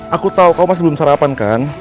aku tau kamu masih belum sarapan kan